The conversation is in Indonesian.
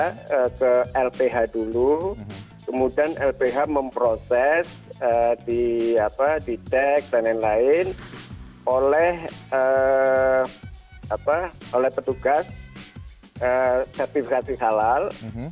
kita ke lph dulu kemudian lph memproses dicek dan lain lain oleh petugas sertifikasi halal